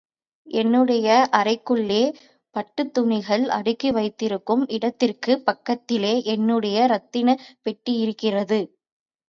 என்னுடைய அறைக்குள்ளே பட்டுத் துணிகள் அடுக்கி வைத்திருக்கும் இடத்திற்குப் பக்கத்திலே என்னுடைய ரத்தினப் பெட்டியிருக்கிறது.